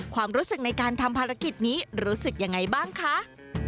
ความรู้สึกในการทำภารกิจนี้รู้สึกยังไงบ้างคะ